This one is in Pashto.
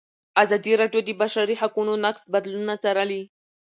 ازادي راډیو د د بشري حقونو نقض بدلونونه څارلي.